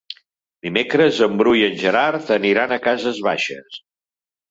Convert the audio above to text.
Dimecres en Bru i en Gerard aniran a Cases Baixes.